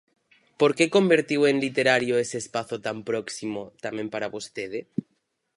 Por que convertiu en literario ese espazo tan próximo tamén para vostede?